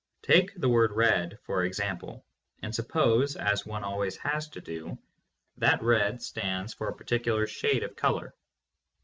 Take the word "red," for example, and suppose — as one always has to do — that "red" stands for a par ticular shade of color.